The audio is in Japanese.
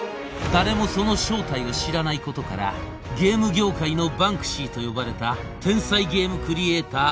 誰もその正体を知らないことからゲーム業界のバンクシーと呼ばれた天才ゲームクリエイター